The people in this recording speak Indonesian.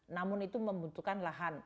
namun itu membutuhkan lahan